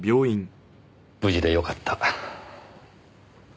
無事でよかった。